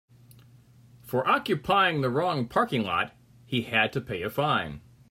For occupying the wrong parking lot he had to pay a fine.